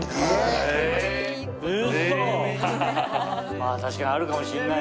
まあ確かにあるかもしれないね。